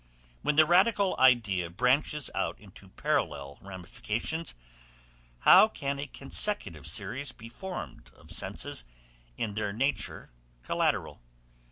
When the radical idea branches out into parallel ramifications, how can a consecutive series be formed of senses in their nature collateral?